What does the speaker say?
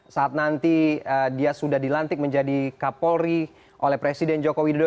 saat nanti dia sudah dilantik menjadi kapolri oleh presiden joko widodo